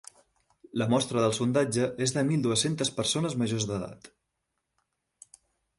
La mostra del sondatge és de mil dues-centes persones majors d’edat.